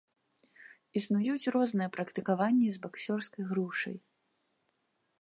Існуюць розныя практыкаванні з баксёрскай грушай.